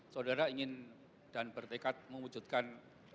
saudara ingin dan berdekat memujudkan